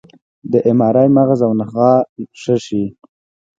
د اېم ار آی مغز او نخاع ښه ښيي.